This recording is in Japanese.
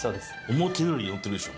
思ってるよりのってるでしょ